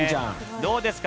どうですか？